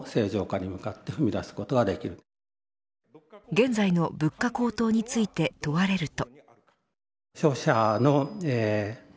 現在の物価高騰について問われると。